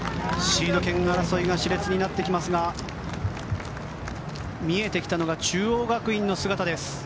シード権争いが熾烈になってきますが見えてきたのが中央学院の姿です。